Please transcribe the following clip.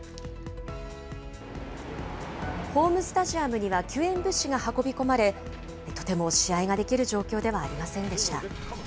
ホームスタジアムには救援物資が運び込まれ、とても試合ができる状況ではありませんでした。